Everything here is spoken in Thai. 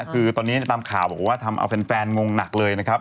คือตอนนี้ตามข่าวบอกว่าทำเอาแฟนงงหนักเลยนะครับ